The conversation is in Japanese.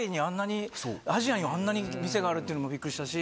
アジアにあんなに店があるっていうのもびっくりしたし。